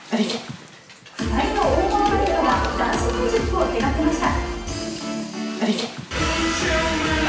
２人の大物タレントがダンスミュージックを手がけました。